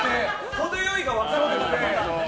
程良いが分からなくて。